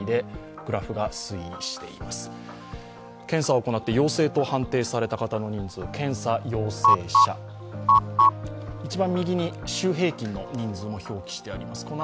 検査を行って陽性と判定された方の人数検査陽性者、一番右に週平均の人数も併記してあります。